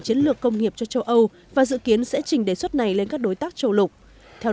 chiến lược công nghiệp cho châu âu và dự kiến sẽ chỉnh đề xuất này lên các đối tác châu lục theo